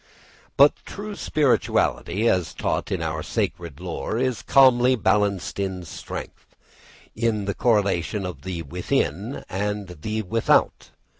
But true spirituality, as taught in our sacred lore, is calmly balanced in strength, in the correlation of the within and the without.